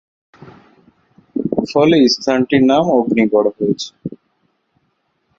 ফলে স্থানটির নাম অগ্নিগড় হয়েছে।